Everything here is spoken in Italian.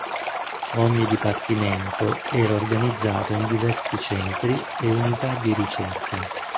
Ogni dipartimento era organizzato in diversi centri e unità di ricerca.